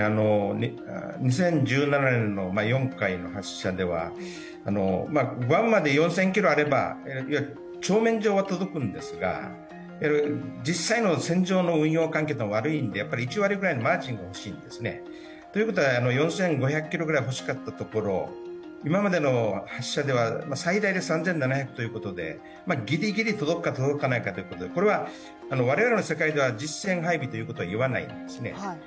２０１７年の４回の発射では、湾まで４０００ｋｍあれば表面上は届くんですが、実際の戦場運用環境は悪いのでやっぱり１割ぐらいのマージンが欲しいですね。ということは、４５００ｋｍぐらい欲しかったところ、今までの発射では最大で３７００ということで、ギリギリ届くか届かないというところなので、我々の世界では実戦配備ということは言わないですね。